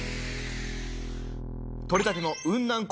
取れたての雲南古